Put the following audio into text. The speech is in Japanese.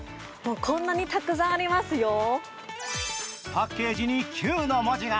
パッケージに「Ｑ」の文字が。